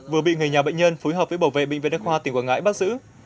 vừa bị người nhà bệnh nhân phối hợp với bảo vệ bệnh viện đa khoa tỉnh quảng ngãi bắt giữ